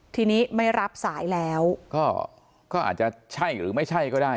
ทีนี้ไม่รับสายแล้วก็ก็อาจจะใช่หรือไม่ใช่ก็ได้